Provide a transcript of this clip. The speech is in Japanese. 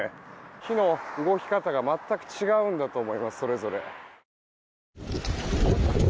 日の動き方が全く違うんだと思います、それぞれ。